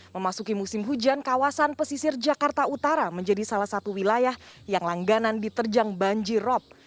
memasuki musim hujan kawasan pesisir jakarta utara menjadi salah satu wilayah yang langganan diterjang banjirop